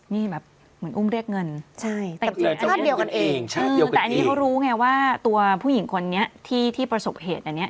นี่แบบเหมือนอุ้มเรียกเงินใช่แต่อันนี้เขารู้ไงว่าตัวผู้หญิงคนนี้ที่ประสบเหตุอย่างเนี้ย